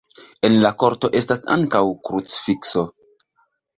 En la korto estas ankaŭ krucifikso.